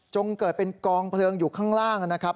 เกิดเป็นกองเพลิงอยู่ข้างล่างนะครับ